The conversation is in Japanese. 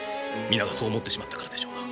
皆がそう思ってしまったからでしょうな。